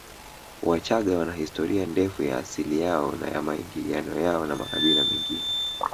Wachaga wana historia ndefu ya asili yao na ya maingiliano yao na makabila mengine